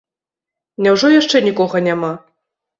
Няўжо яшчэ нікога няма?